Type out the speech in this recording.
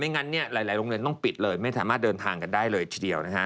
งั้นหลายโรงเรียนต้องปิดเลยไม่สามารถเดินทางกันได้เลยทีเดียวนะฮะ